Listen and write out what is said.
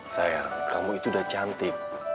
saya kamu itu udah cantik